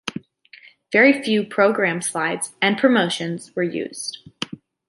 Very few programme slides and promotions were used.